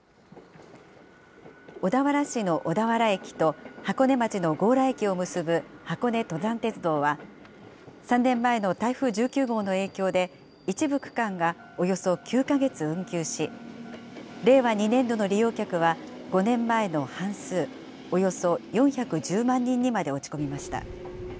小田原市の小田原駅と箱根町の強羅駅を結ぶ箱根登山鉄道は、３年前の台風１９号の影響で、一部区間がおよそ９か月運休し、令和２年度の利用客は、５年前の半数、およそ４１０万人にまで落ち込みました。